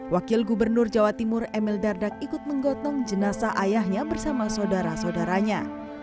wakil gubernur jawa timur emil dardak ikut menggotong jenazah ayahnya bersama saudara saudaranya